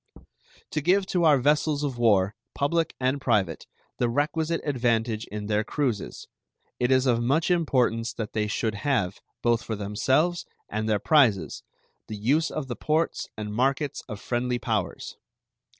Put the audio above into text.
To give to our vessels of war, public and private, the requisite advantage in their cruises, it is of much importance that they should have, both for themselves and their prizes, the use of the ports and markets of friendly powers.